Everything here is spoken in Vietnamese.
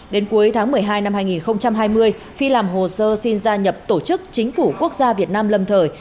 đến cuối tháng một mươi hai năm hai nghìn hai mươi phi làm hồ sơ xin gia nhập tổ chức chính phủ quốc gia việt nam lâm thời